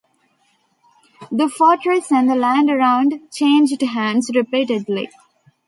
The fortress and the land around changed hands repeatedly.